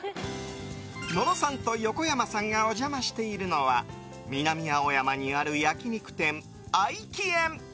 野呂さんと横山さんがお邪魔しているのは南青山にある焼き肉店、合奇苑。